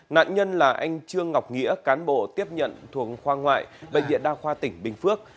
nạn nhân là anh trương ngọc nghĩa cán bộ tiếp nhận thuộc khoa ngoại bệnh viện đa khoa tỉnh bình phước